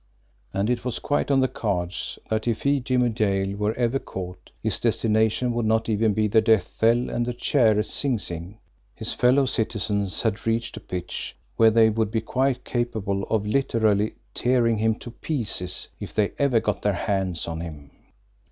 And it was quite on the cards that if he, Jimmie Dale, were ever caught his destination would not even be the death cell and the chair at Sing Sing his fellow citizens had reached a pitch where they would be quite capable of literally tearing him to pieces if they ever got their hands on him!